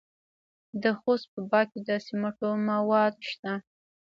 د خوست په باک کې د سمنټو مواد شته.